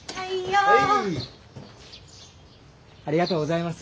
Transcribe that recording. ありがとうございます。